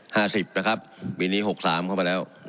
๕๐นะครับปีนี้๖๓เข้ามาแล้ว